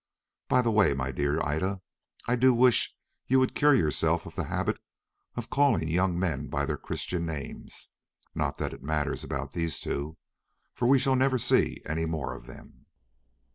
By the way, my dear Ida, I do wish you would cure yourself of the habit of calling young men by their Christian names—not that it matters about these two, for we shall never see any more of them."